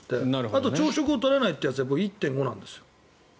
あと、朝食は取らないというやつで１．５なんです。